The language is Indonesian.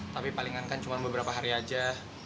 tapi palingan kan cuma beberapa hari aja